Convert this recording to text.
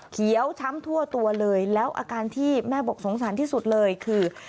เขียวช้ำทั่วตัวเลยแล้วอาการที่แม่บอกสงสารที่สุดเลยคือ